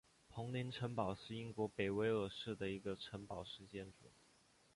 彭林城堡是英国北威尔士的一个城堡式建筑。